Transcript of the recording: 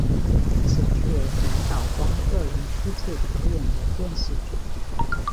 此剧为满岛光个人初次主演的电视剧。